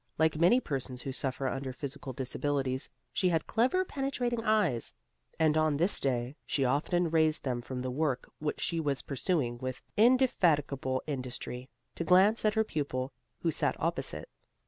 Like many persons who suffer under physical disabilities, she had clever penetrating eyes, and on this day, she often raised them from the work which she was pursuing with indefatigable industry, to glance at her pupil, who sat opposite.